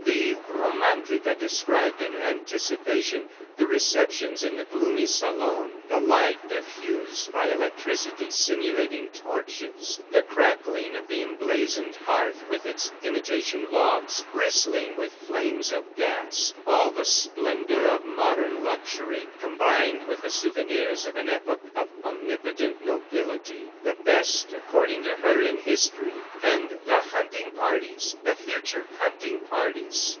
The Romantica described in anticipation the receptions in the gloomy salon, the light diffused by electricity, simulating torches, the crackling of the emblazoned hearth with its imitation logs bristling with flames of gas, all the splendor of modern luxury combined with the souvenirs of an epoch of omnipotent nobility the best, according to her, in history. And the hunting parties, the future hunting parties!